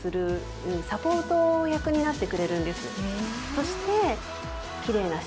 そして。